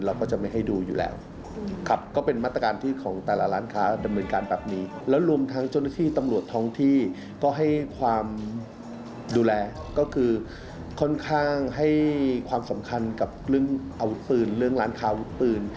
เรื่องร้านค้าอาวุธปืน